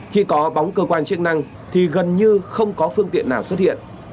khi có bóng cơ quan chức năng thì gần như không có phương tiện nào xuất hiện